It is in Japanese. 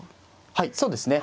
はいそうですね。